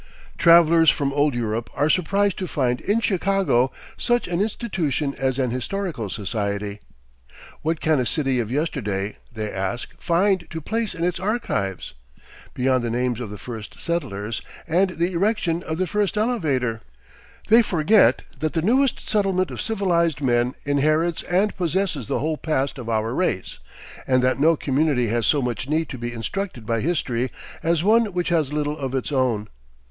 Travelers from old Europe are surprised to find in Chicago such an institution as an Historical Society. What can a city of yesterday, they ask, find to place in its archives, beyond the names of the first settlers, and the erection of the first elevator? They forget that the newest settlement of civilized men inherits and possesses the whole past of our race, and that no community has so much need to be instructed by History as one which has little of its own.